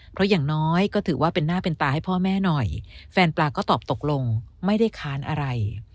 เพราะอย่างน้อยก็ถือว่าเป็นหน้าเป็นตาให้พ่อแม่หน่อยแฟนปลาก็ตอบตกลงไม่ได้ค้านอะไร